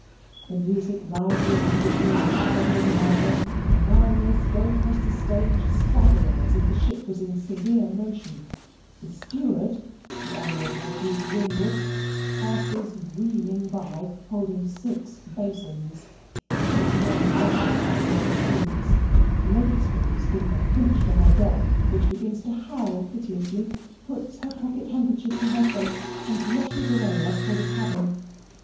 The music rises and whistles louder and louder; the mariners go across the stage staggering, as if the ship was in severe motion. The Steward (the Honourable G. Ringwood) passes reeling by, holding six basins. He puts one rapidly by Lord Squeams Lady Squeams, giving a pinch to her dog, which begins to howl piteously, puts her pocket handkerchief to her face, and rushes away as for the cabin.